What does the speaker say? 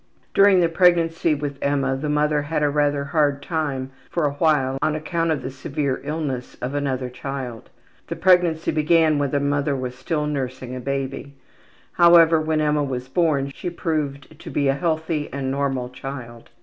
During the pregnancy with Emma the mother had a rather hard time for a while on account of the severe illness of another child. The pregnancy began when the mother was still nursing a baby. However, when Emma was born she proved to be a healthy and normal child.